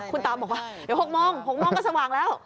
คุณตาบอกว่าเดี๋ยว๖โมง๖โมงก็สว่างแล้ว